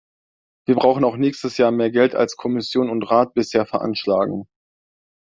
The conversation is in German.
Wir brauchen auch nächstes Jahr mehr Geld als Kommission und Rat bisher veranschlagen.